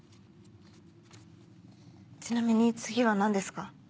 ちなみに次は何ですか？